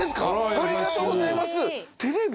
ありがとうございます。